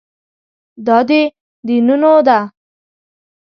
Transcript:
دا د دینونو ده.